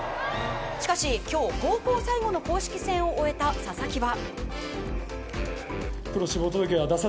しかし今日、高校最後の公式戦を終えた佐々木は。